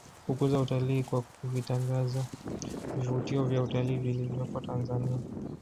Kukuza utalii kwa kuvitangaza vivutio vya utalii vilivyopo Tanzania